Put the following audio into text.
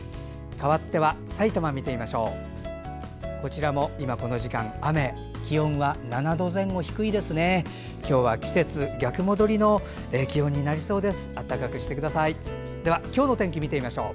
かわっては埼玉を見てみましょう。